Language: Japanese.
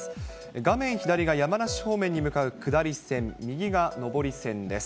画面左が山梨方面に向かう下り線、右が上り線です。